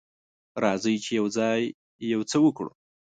راځئ چې یوځای یو څه وکړو.